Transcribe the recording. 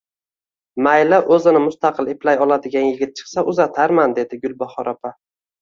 Mayli, o`zini mustaqil eplay oladigan yigit chiqsa uzatarman, dedi Gulbahor opa